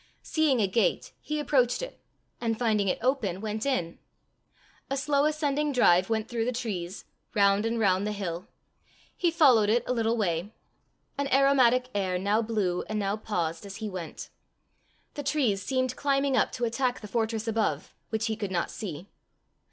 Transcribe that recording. Seeing a gate, he approached it, and finding it open went in. A slow ascending drive went through the trees, round and round the hill. He followed it a little way. An aromatic air now blew and now paused as he went. The trees seemed climbing up to attack the fortress above, which he could not see.